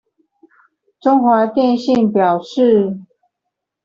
中華電信表示